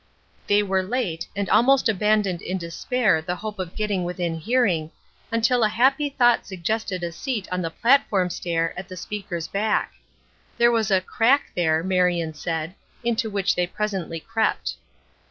They were late, and almost abandoned in despair the hope of getting within hearing, until a happy thought suggested a seat on the platform stair at the speaker's back. There was a "crack" there, Marion said, into which they presently crept.